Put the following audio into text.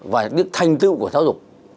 và những thành tựu của giáo dục